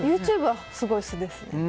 ＹｏｕＴｕｂｅはすごい素ですね。